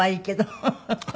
フフフフ。